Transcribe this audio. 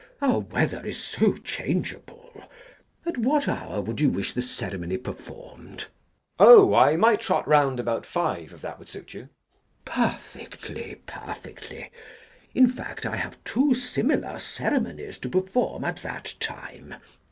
Our weather is so changeable. At what hour would you wish the ceremony performed? JACK. Oh, I might trot round about five if that would suit you. CHASUBLE. Perfectly, perfectly! In fact I have two similar ceremonies to perform at that time.